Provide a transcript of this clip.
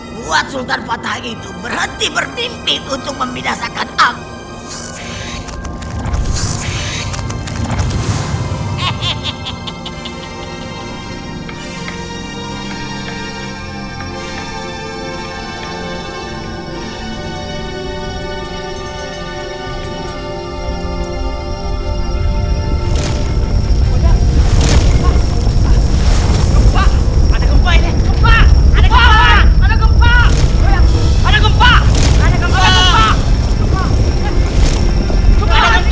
buat sultan fatah itu berhenti berdimpin untuk memidasakan aku